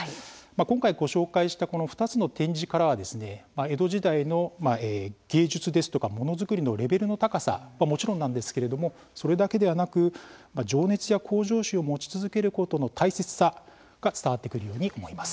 今回ご紹介したこの２つの展示からはですね江戸時代の芸術ですとかものづくりのレベルの高さはもちろんなんですけれどもそれだけではなく情熱や向上心を持ち続けることの大切さが伝わってくるように思います。